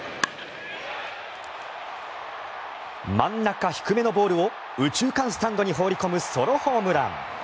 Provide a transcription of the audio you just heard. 真ん中低めのボールを右中間スタンドに放り込むソロホームラン。